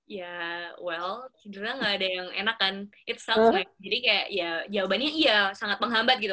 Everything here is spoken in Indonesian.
ya well sidra nggak ada yang enak kan it sounds like jadi kayak ya jawabannya iya sangat menghambat gitu